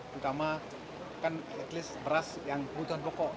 terutama kan at least beras yang kebutuhan pokok